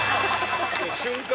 瞬間